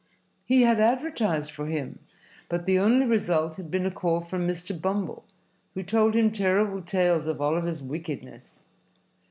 He had advertised for him, but the only result had been a call from Mr. Bumble, who told him terrible tales of Oliver's wickedness.